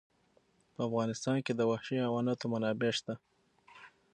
په افغانستان کې د وحشي حیوانات منابع شته.